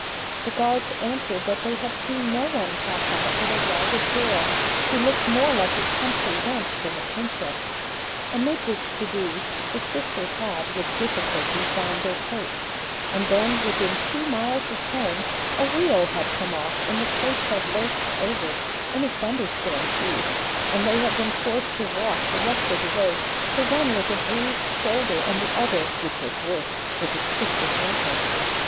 The guards answered that they had seen no one pass out but a ragged girl, who looked more like a country wench than a Princess. Amid this to do, the sisters had with difficulty found their coach; and then, within two miles of home, a wheel had come off and the coach had lurched over, in a thunderstorm, too; and they had been forced to walk the rest of the way, the one with a bruised shoulder, and the other (which was worse) with a twisted ankle.